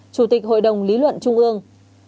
chủ tịch hội đồng lý luận trung ương